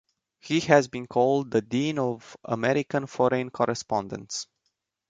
He has been called the dean of American foreign correspondents.